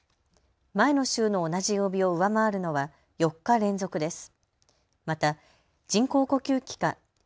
前の週の同じ曜日を上回るのは４日連続です。